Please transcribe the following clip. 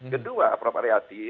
kedua prof ariyati